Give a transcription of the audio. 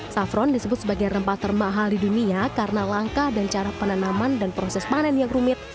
safron disebut sebagai rempah termahal di dunia karena langkah dan cara penanaman dan proses panen yang rumit